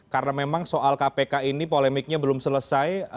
karena memang soal kpk ini polemiknya belum selesai